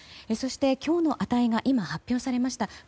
そして今日の値が今、発表されました。